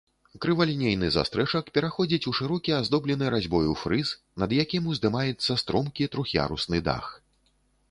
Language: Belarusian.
Крывалінейны застрэшак пераходзіць у шырокі, аздоблены разьбою фрыз, над якім уздымаецца стромкі трох'ярусны дах.